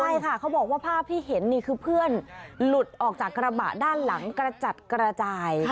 ใช่ค่ะเขาบอกว่าภาพที่เห็นนี่คือเพื่อนหลุดออกจากกระบะด้านหลังกระจัดกระจาย